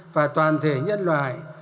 và toàn thể nhân loại